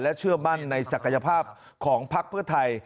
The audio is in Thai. เชื่อมั่นในศักยภาพของพักเพื่อไทย